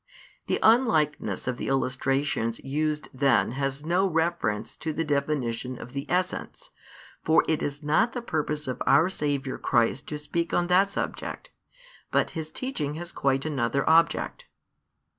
The unlikeness of the illustrations used then has no reference to the definition of the essence, for it is not the purpose of our Saviour Christ to speak on that subject, but His teaching has quite another object.